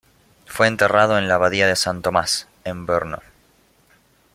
Fue enterrado en la Abadía de San Tomás, en Brno.